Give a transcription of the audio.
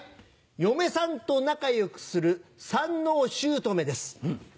嫁さんと仲良くする三ＮＯしゅうとめです。